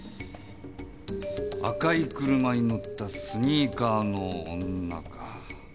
赤い車に乗ったスニーカーの女か。